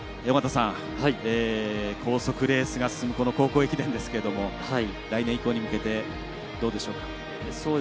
高速レースが進む高校駅伝ですけども来年以降に向けてどうでしょうか。